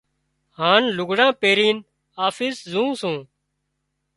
هانَ لگھڙان پيرينَ آفس زُون سُون۔